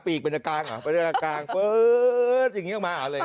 ปีกเป็นกลางออกมาอะไรอย่างนี้